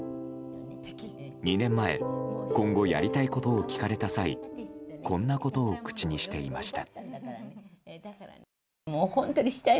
２年前今後やりたいことを聞かれた際こんなことを口にしていました。